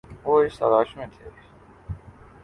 وہ اس تلاش میں تھے